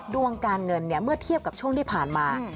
ดวงการเงินเมื่อเทียบกับช่วงที่ผ่านมา